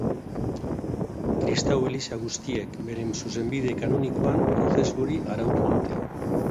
Kristau eliza guztiek beren zuzenbide kanonikoan prozesu hori arautu dute.